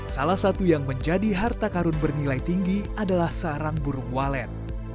salah satu yang menjadi harta karun bernilai tinggi adalah sarang burung walet